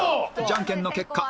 じゃんけんの結果